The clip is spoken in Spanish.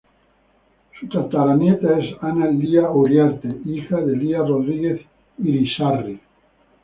Su tataranieta es Ana Lya Uriarte, hija de Lya Rodríguez Irisarri.